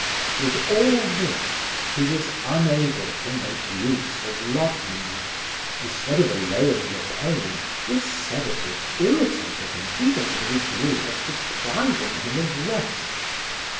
With all this, he was unable to make use of laudanum: instead of allaying the pain, this sedative irritated him even to the degree of depriving him of rest.